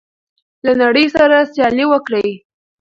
له نړۍ سره سیالي وکړئ.